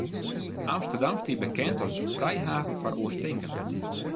Amsterdam stie bekend as frijhaven foar oarstinkenden.